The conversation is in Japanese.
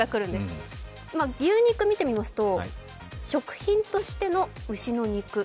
牛肉を見てみますと、食品としての牛の肉。